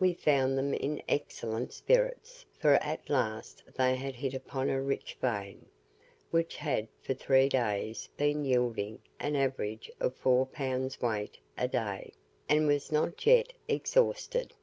We found them in excellent spirits, for at last they had hit upon a rich vein, which had for three days been yielding an average of four pounds weight a day, and was not yet exhausted.